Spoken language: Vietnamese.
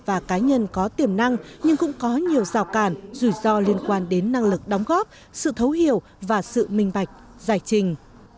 và cá nhân có tiềm năng nhưng cũng có nhiều rào cản rủi ro liên quan đến năng lực đóng góp sự thấu hiểu và sự minh bạch giải trình